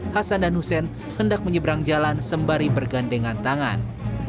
hasan dan hussein hendak menyeberang jalan sembari bergandengan tangan